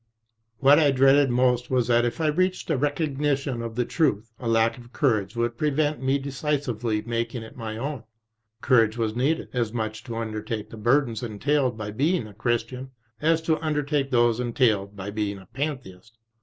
What I dreaded most was that if I reached a recognition of the truth, a lack of courage would prevent me decisively making it my own. Courage was needed, as much to under take the burdens entailed by being a Christian as to under take those entailed by being a Pantheist.